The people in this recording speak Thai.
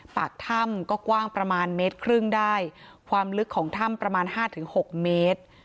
ปากถ้ำก็กว้างประมาณเมตรครึ่งได้ความลึกของถ้ำประมาณห้าถึงหกเมตร